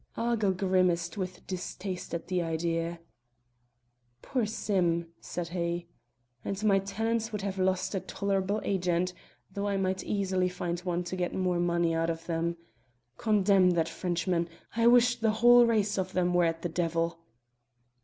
Argyll grimaced with distaste at the idea. "Poor Sim!" said he. "And my tenants would have lost a tolerable agent, though I might easily find one to get more money out of them. Condemn that Frenchman! I wish the whole race of them were at the devil."